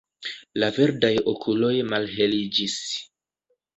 La verdaj okuloj malheliĝis.